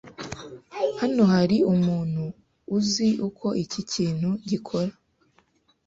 Hano hari umuntu uzi uko iki kintu gikora?